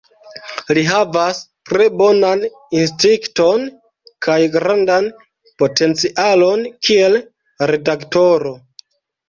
Li havas tre bonan instinkton kaj grandan potencialon kiel redaktoro.